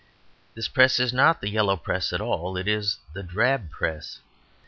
This press is not the yellow press at all; it is the drab press.